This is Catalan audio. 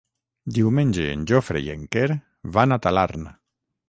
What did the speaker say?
Diumenge en Jofre i en Quer van a Talarn.